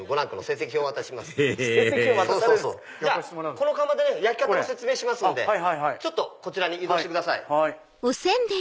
この窯で焼き方の説明しますのでこちらに移動してください。